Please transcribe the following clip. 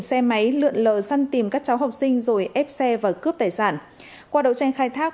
và lấy lượn lờ săn tìm các cháu học sinh rồi ép xe và cướp tài sản qua đấu tranh khai thác